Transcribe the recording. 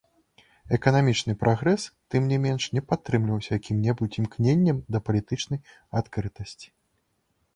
Эканамічны прагрэс, тым не менш, не падтрымліваўся якім-небудзь імкненнем да палітычнай адкрытасці.